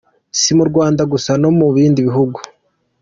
Si mu Rwanda gusa, no mu bindi bihugu.